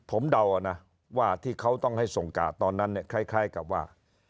ผมเดานะว่าที่เขาต้องให้ส่งกาดตอนนั้นเนี่ยคล้ายกับว่า